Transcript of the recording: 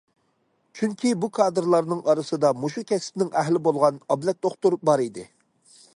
چۈنكى بۇ كادىرلارنىڭ ئارىسىدا مۇشۇ كەسىپنىڭ ئەھلى بولغان ئابلەت دوختۇر بار ئىدى.